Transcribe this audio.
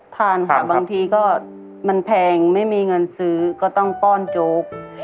ทานค่ะบางทีก็มันแพงไม่มีเงินซื้อก็ต้องป้อนโจ๊ก